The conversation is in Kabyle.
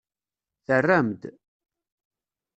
Terram-d.